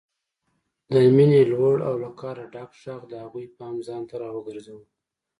د مينې لوړ او له قهره ډک غږ د هغوی پام ځانته راوګرځاوه